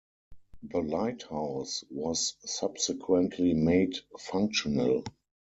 The lighthouse was subsequently made functional.